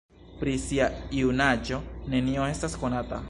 Pri sia junaĝo nenio estas konata.